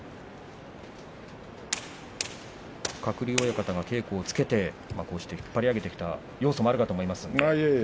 鶴竜親方が稽古をつけてこうして引っ張り上げてきた要素もあるかと思いますが。